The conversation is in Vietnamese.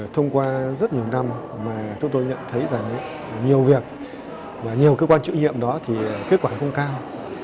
trong những năm mà chúng tôi nhận thấy rằng nhiều việc và nhiều cơ quan trữ nhiệm đó thì kết quả không cao